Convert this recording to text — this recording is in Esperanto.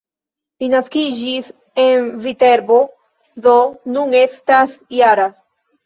Li naskiĝis en Viterbo, do nun estas -jara.